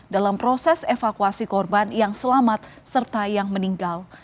dalam proses evakuasi korban yang selamat serta yang meninggal